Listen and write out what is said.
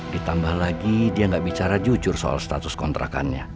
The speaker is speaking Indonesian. ditambah lagi dia nggak bicara jujur soal status kontrakannya